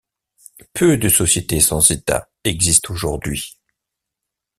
Peu de sociétés sans État existent aujourd'hui.